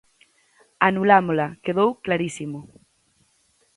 Anulámola, quedou clarísimo.